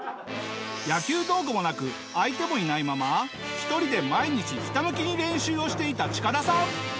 野球道具もなく相手もいないまま１人で毎日ひたむきに練習をしていたチカダさん。